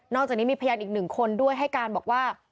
จากนี้มีพยานอีกหนึ่งคนด้วยให้การบอกว่า